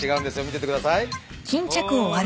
見ててください。